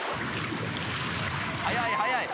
速い速い！